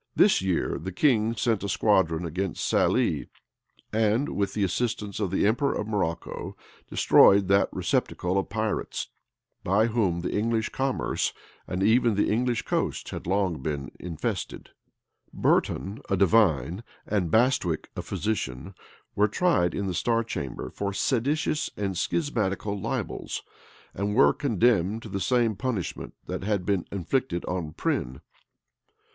This year, the king sent a squadron against Sallee; and, with the assistance of the emperor of Morocco, destroyed that receptacle of pirates, by whom the English commerce, and even the English coasts, had long been infested. {1637.} Burton, a divine, and Bastwick, a physician, were tried in the star chamber for seditious and schismatical libels, and were condemned to the same punishment that had been inflicted on Prynne.